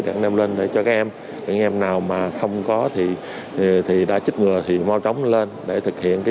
để đem lên cho các em các em nào mà không có thì đã chích ngừa thì mau trống lên để thực hiện cái